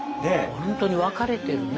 本当に分かれてるね。